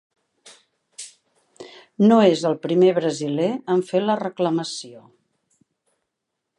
No és el primer brasiler en fer la reclamació.